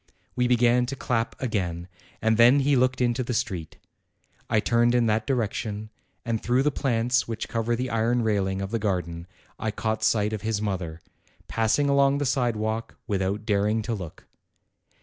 We began to clap again, and then he looked into the street. I turned in that direction, and through the plants which cover the iron railing of the garden I caught sight of his mother, passing along the sidewalk without daring to look.